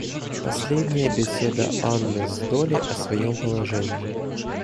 Последняя беседа Анны с Долли о своем положении.